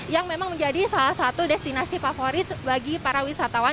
yang memang menjadi salah satu destinasi favorit bagi para wisatawan